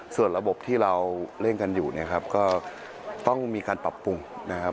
ส่วนระบบที่เราเล่นกันอยู่เนี่ยครับก็ต้องมีการปรับปรุงนะครับ